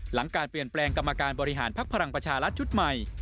หลังการเปลี่ยนแปลงกรรมการบริหารภักดิ์พลังประชารัฐชุดใหม่